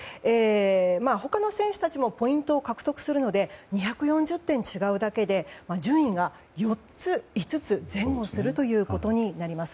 他の選手たちもポイントを獲得するので２４０点、違うだけで順位が４つ、５つ前後することになります。